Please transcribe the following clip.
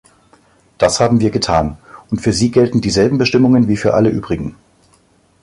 Das haben wir getan, und für Sie gelten dieselben Bestimmungen wie für alle übrigen.